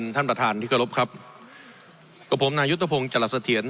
ท่านประธานที่โกรภครับกับผมนายุตธพงศ์จรษฐียันตร์